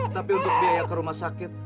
tapi untuk biaya ke rumah sakit